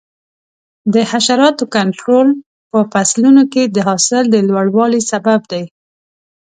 د حشراتو کنټرول په فصلونو کې د حاصل د لوړوالي سبب دی.